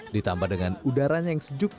ditambah dengan udaranya yang sejuk